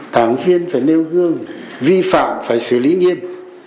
đảng viên phải nêu gương vi phạm phải xử lý nghiêm